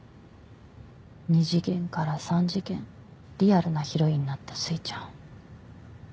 二次元から三次元リアルなヒロインになったすいちゃん